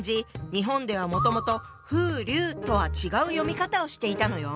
日本ではもともと「ふうりゅう」とは違う読み方をしていたのよ。